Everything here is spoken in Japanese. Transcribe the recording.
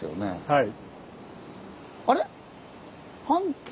はい。